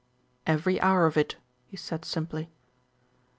"Every hour of it," he said simply.